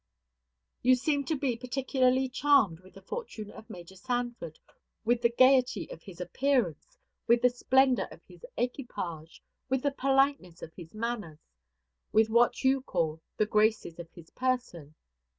You seem to be particularly charmed with the fortune of Major Sanford, with the gayety of his appearance, with the splendor of his equipage, with the politeness of his manners, with what you call the graces of his person.